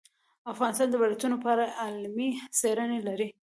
افغانستان د ولایتونو په اړه علمي څېړنې لري.